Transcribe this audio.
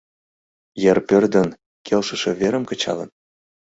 Йыр пӧрдын, келшыше верым кычалын?